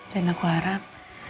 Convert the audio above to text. dan aku harap